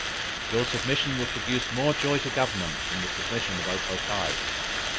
Your submission would produce more joy to Government than the submission of O po tae.